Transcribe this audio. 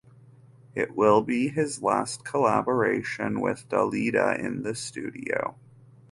It will be his last collaboration with Dalida in the studio.